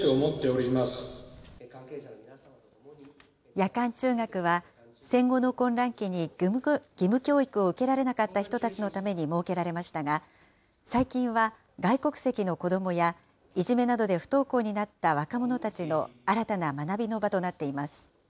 夜間中学は、戦後の混乱期に義務教育を受けられなかった人たちのために設けられましたが、最近は外国籍の子どもや、いじめなどで不登校になった若者たちの新たな学びの場となっています。